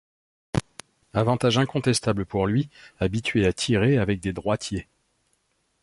Avantage incontestable pour lui, habitué à tirer avec des droitiers.